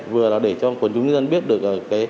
vừa là để cho quần chúng dân biết được